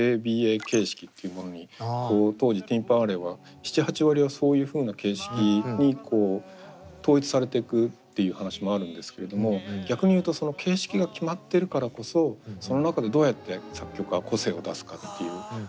ＡＡＢＡ形式っていうものに当時ティン・パン・アレーは７８割はそういうふうな形式に統一されてくっていう話もあるんですけれども逆に言うとその形式が決まってるからこそその中でどうやって作曲家が個性を出すかっていう。